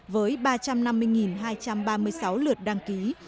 với ba trăm năm mươi hai trăm ba mươi sáu lượt đăng ký